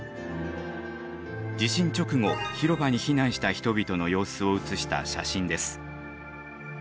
地震直後広場に避難した人々の様子を写した写真です。